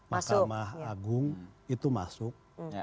mahkamah agung itu masuk